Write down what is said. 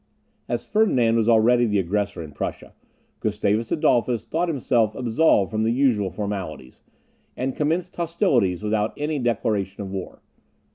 As Ferdinand was already the aggressor in Prussia, Gustavus Adolphus thought himself absolved from the usual formalities, and commenced hostilities without any declaration of war.